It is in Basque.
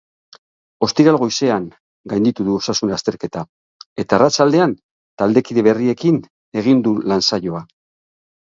Ostiral goizean gainditu du osasun-azterketa, eta arratsaldean taldekide berriekin egin du lan-saioa.